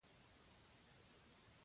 نو هغه باید و نه دردېږي دا یې هدف و.